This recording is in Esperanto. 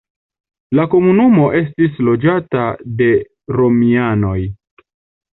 La komunumo estis loĝata de romianoj.